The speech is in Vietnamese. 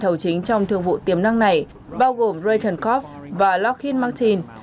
thầu chính trong thương vụ tiềm năng này bao gồm reuttenkopf và lockheed martin